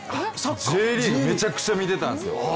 Ｊリーグ、めちゃくちゃ見てたんですよ！